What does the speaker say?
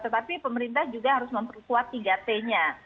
tetapi pemerintah juga harus memperkuat tiga t nya